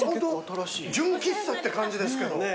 純喫茶って感じですけど。